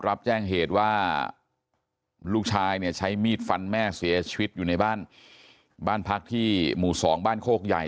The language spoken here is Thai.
รับแจ้งเหตุว่าลูกชายเนี่ยใช้มีดฟันแม่เสียชีวิตอยู่ในบ้านบ้านพักที่หมู่สองบ้านโคกใหญ่